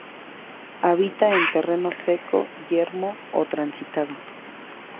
Habita en terreno seco, yermo o transitado.